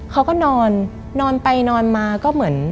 เขาก็นอนนอนไปนอนมาก็เหมือน